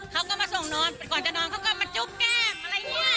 เขาก็มาส่งนอนแต่ก่อนจะนอนเขาก็มาจุ๊บแกอะไรเนี่ย